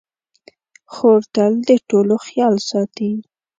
خور تل د ټولو خیال ساتي.